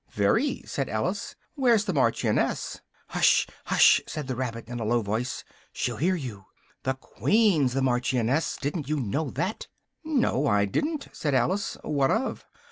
"Very," said Alice, "where's the Marchioness?" "Hush, hush!" said the rabbit in a low voice, "she'll hear you. The Queen's the Marchioness: didn't you know that?" "No, I didn't," said Alice, "what of?"